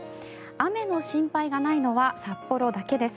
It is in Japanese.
雨の心配がないのは札幌だけです。